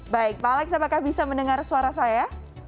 baik pak alex apakah bisa mendengar suara saya